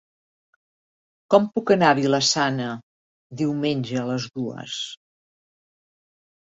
Com puc anar a Vila-sana diumenge a les dues?